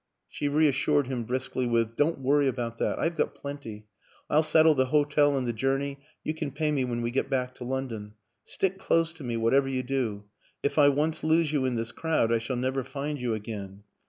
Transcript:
She reassured him briskly with :" Don't worry about that I've got plenty. I'll settle the hotel and the journey you can pay me when we get back to London. Stick close to me, what ever you do; if I once lose you in this crowd I shall never find you again."